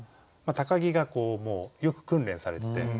高木がもうよく訓練されてて。